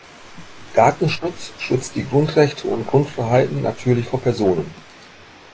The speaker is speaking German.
Datenschutz schützt die Grundrechte und Grundfreiheiten natürlicher Personen.